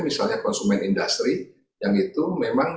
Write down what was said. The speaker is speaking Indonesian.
misalnya konsumen industri yang itu memang